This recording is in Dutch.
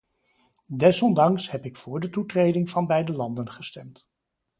Desondanks heb ik voor de toetreding van beide landen gestemd.